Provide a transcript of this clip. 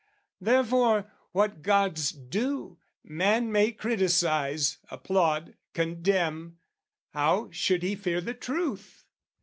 "Therefore, what gods do, man may criticise, "Applaud, condemn, how should he fear the truth?